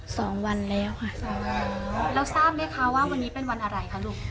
สองวันแล้วค่ะสองวันแล้วแล้วทราบไหมคะว่าวันนี้เป็นวันอะไรคะลูก